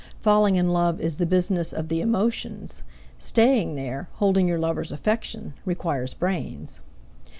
Falling in love is the business of the emotions; staying there, holding your lover's affection, requires brains.